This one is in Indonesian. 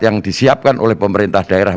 yang disiapkan oleh pemerintah daerah